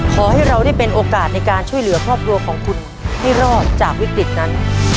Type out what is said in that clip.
ขอให้เราได้เป็นโอกาสในการช่วยเหลือครอบครัวของคุณให้รอดจากวิกฤตนั้น